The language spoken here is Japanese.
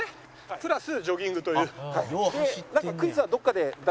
プラスジョギングという。